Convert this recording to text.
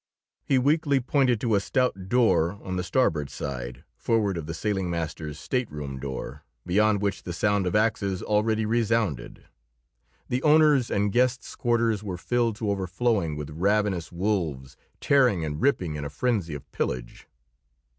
He weakly pointed to a stout door on the starboard side, forward of the sailing master's stateroom door, beyond which the sound of axes already resounded. The owner's and guests' quarters were filled to overflowing with ravenous wolves tearing and ripping in a frenzy of pillage.